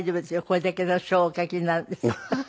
これだけの書をお書きになるんですから。